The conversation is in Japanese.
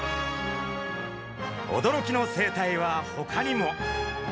驚きの生態はほかにも。